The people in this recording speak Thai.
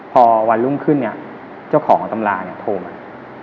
พอวันรุ่งขึ้นเจ้าของตำราโทรมา